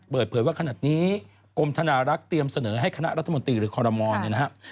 เปิดเผยว่าขนาดนี้กรมธนารักษ์เตรียมเสนอให้คณะรัฐมนตรีหรือคอรมอลเนี่ยนะครับ